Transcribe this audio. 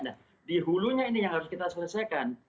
nah dihulunya ini yang harus kita selesaikan